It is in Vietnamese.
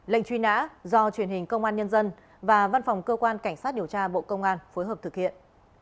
lệnh truy nã do truyền hình công an nhân dân và văn phòng cơ quan cảnh sát điều tra bộ công an phối hợp thực hiện